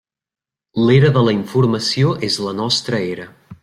L'era de la informació és la nostra era.